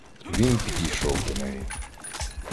Він підійшов до неї.